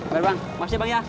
baik bang makasih bang ya